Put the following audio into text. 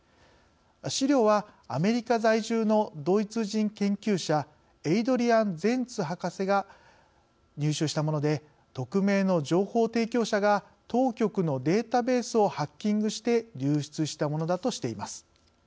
資料はアメリカ在住のドイツ人研究者エイドリアン・ゼンツ博士が入手したもので匿名の情報提供者が当局のデータベースをハッキングして流出したものだとしています。